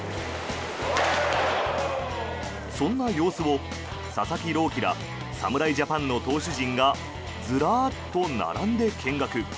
そんな様子を佐々木朗希ら侍ジャパンの投手陣がずらっと並んで見学。